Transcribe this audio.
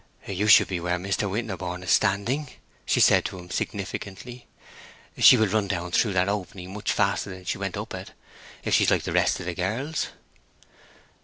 "You should be where Mr. Winterborne is standing," she said to him, significantly. "She will run down through that opening much faster than she went up it, if she is like the rest of the girls."